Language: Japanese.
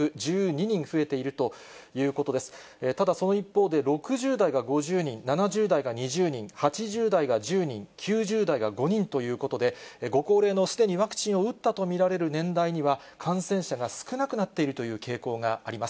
ただ、その一方で、６０代が５０人、７０代が２０人、８０代が１０人、９０代が５人ということで、ご高齢のすでにワクチンを打ったと見られる年代には、感染者が少なくなっているという傾向があります。